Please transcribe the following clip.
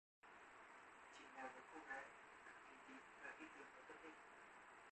Trình là một cô gái cực kỳ tín và tin tưởng vào tâm linh